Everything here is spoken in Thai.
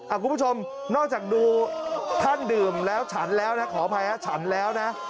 คุณผู้ชมนอกจากดูท่านดื่มแล้วฉันแล้วนะขออภัยฮะฉันแล้วนะ